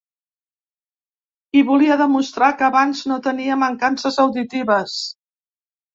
I volia demostrar que abans no tenia mancances auditives.